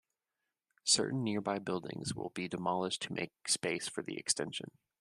Certain nearby buildings will be demolished to make space for the extension.